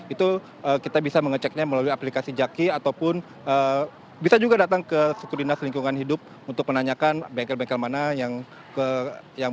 itu kita bisa mengeceknya melalui aplikasi jaki ataupun bisa juga datang ke sukudinah selingkungan hidup untuk menanyakan bengkel bengkel mana yang bekerja sana